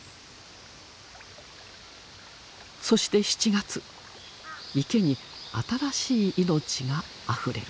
そして７月池に新しい命があふれる。